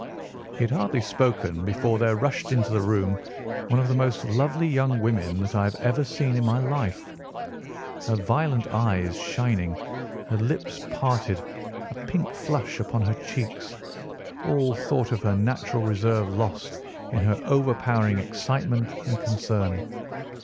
He had hardly spoken before there rushed into the room one of the most lovely young women that I have ever seen in my life. Her violet eyes shining, her lips parted, a pink flush upon her cheeks, all thought of her natural reserve lost in her overpowering excitement and concern.